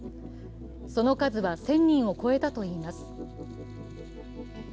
その数は１０００人を超えたといいます。